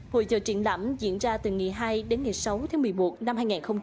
hội trợ triển lãm diễn ra từ ngày hai đến ngày sáu tháng một mươi một năm hai nghìn hai mươi